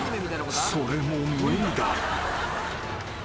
それも無理だ］